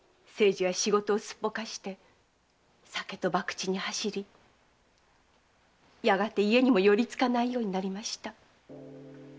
清次は仕事をすっぽかして酒と博打に走りやがて家にも寄り付かないようになりました。